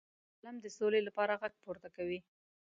قلم د سولې لپاره غږ پورته کوي